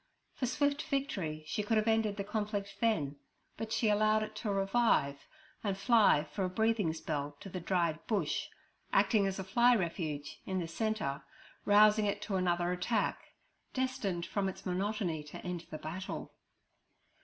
For swift victory she could have ended the conflict then, but she allowed it to revive and fly for a breathing spell to the dried bush, acting as a fly refuge, in the centre, rousing it to another attack, destined from its monotony to end the battle.